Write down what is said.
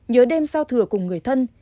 nhớ đêm sao thừa cùng người thân